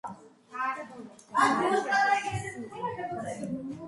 აიიიი იაააა